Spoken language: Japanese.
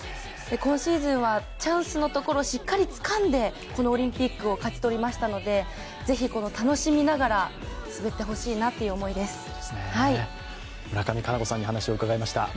今シーズンはチャンスのところ、しっかりつかんでこのオリンピックを勝ち取りましたので是非楽しみながら滑ってほしいなという思いです。